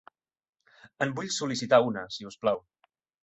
En vull sol·licitar una, si us plau.